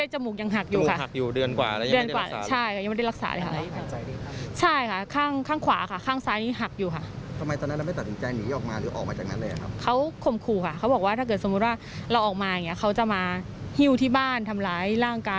ใช่ค่ะเขาอ้างค่ะเขาอ้างว่าเป็นภรรยาท่านสวค่ะ